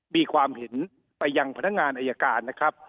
มีความเห็นไปยังพนักงานอายการนะครับ